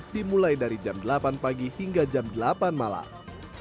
dimulai dari jam delapan pagi hingga jam delapan malam